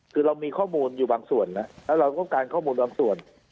คือเรามีข้อมูลอยู่บางส่วนนะแล้วเราต้องการข้อมูลบางส่วน